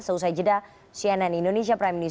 selesai jeda cnn indonesia prime news